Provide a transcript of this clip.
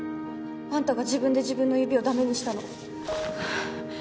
あんたが自分で自分の指を駄目にしたの。